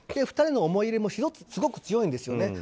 ２人の思い入れもすごく強いんですよね。